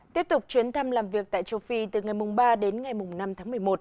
tiếp tục chuyến thăm làm việc tại châu phi từ ngày ba đến ngày năm tháng một mươi một